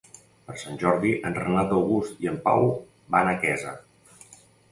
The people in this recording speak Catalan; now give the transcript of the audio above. Per Sant Jordi en Renat August i en Pau van a Quesa.